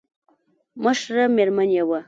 مشره مېرمن يې وه.